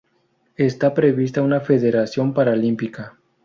Está prevista una federación paralímpica.